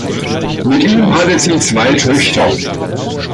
Mit ihm hatte sie zwei Töchter.